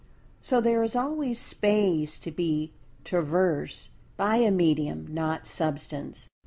So there is always Space to be traversed by a "medium not Substance."